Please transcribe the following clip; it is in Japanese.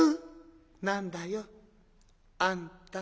「何だよあんた」。